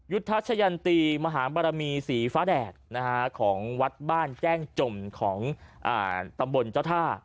ยุทธชะยันตีมหาบรมีสีฟ้าแดดของวัดบ้านแจ้งจมของตำบลเจ้าท่า